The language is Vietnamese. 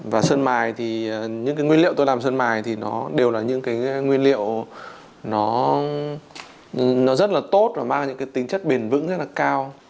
và sơn mài thì những cái nguyên liệu tôi làm sơn mài thì nó đều là những cái nguyên liệu nó rất là tốt và mang những cái tính chất bền vững rất là cao